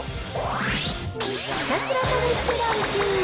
ひたすら試してランキング。